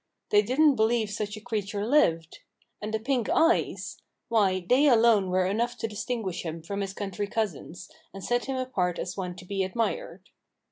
They didn't believe such a creature lived. And the pink eyes ! Why, they alone were enough to distinguish him from his country cousins, and set him apart as one to be admired.